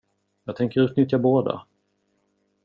Jag tänker utnyttja båda.